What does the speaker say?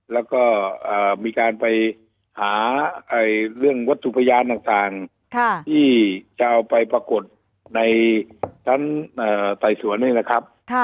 แล้วก็มีการไปหาเรื่องวัตถุพยานต่างที่จะเอาไปปรากฏในชั้นไต่สวนนี่นะครับ